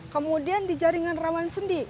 kemudian di jaringan rawan sendi